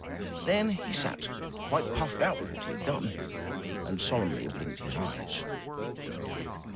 Then he sat, quite puffed out with what he had done, and solemnly blinked his eyes.